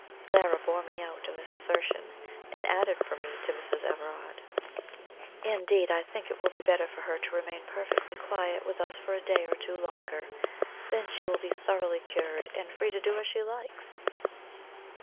Zara bore me out in this assertion, and added for me to Mrs. Everard: "Indeed, I think it will be better for her to remain perfectly quiet with us for a day or two longer; then she will be thoroughly cured, and free to do as she likes."